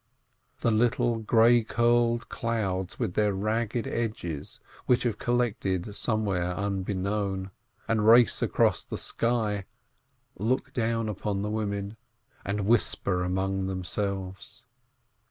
The little grey curled clouds with their ragged edges, which have collected somewhere unbeknown, and race across the sky, look down upon the women, and whisper among themselves.